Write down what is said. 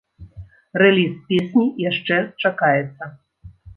Рэліз песні яшчэ чакаецца.